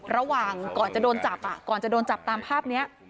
ระหว่างก่อนจะโดนจับก่อนจะโดนจับตามภาพนี้